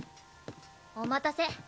お待たせ。